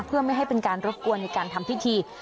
เพื่อไม่ให้เป็นการรบกวนในการทำพิธี